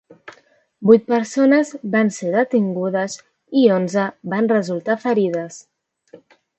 Vuit persones van ser detingudes i onze van resultar ferides.